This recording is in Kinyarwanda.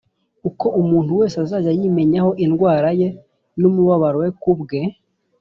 uko umuntu wese azajya yimenyaho indwara ye n’umubabaro we ku bwe